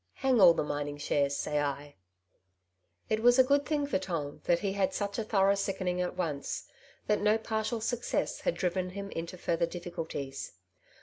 Hang all the mining shares, say 1.^' It was a good thing for Tom that he had such a thorough sickening at once — that no partial success had driven him into further difficulties.